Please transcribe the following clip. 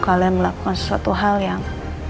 kalian melakukan sesuatu hal yang